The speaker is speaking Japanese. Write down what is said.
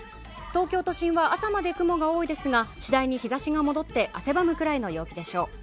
東京都心は朝まで雲が多いですが次第に日差しが戻って汗ばむくらいの陽気でしょう。